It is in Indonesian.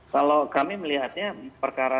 kalau kami melihatnya perkara